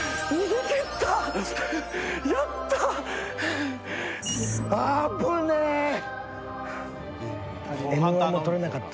逃げ切った！